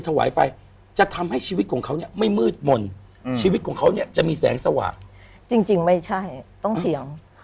คุณซูซี่คุณซูซี่คุณซูซี่คุณซูซี่คุณซูซี่คุณซูซี่